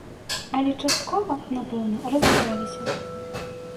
Але часткова, напэўна, разабраліся.